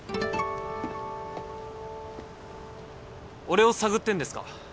俺を探ってんですか？